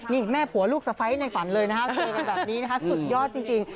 นี่แม่ผัวลูกสะไฟในฝันเลยนะคะเจอกันแบบนี้นะคะสุดยอดจริง